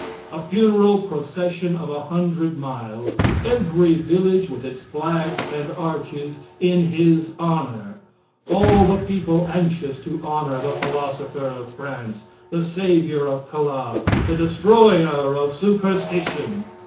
A funeral procession of a hundred miles; every village with its flags and arches in his honor; all the people anxious to honor the philosopher of France the savior of Calas the destroyer of superstition!